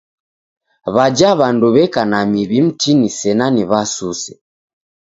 W'aja w'andu w'eka na miw'i mtini sena ni w'asuse.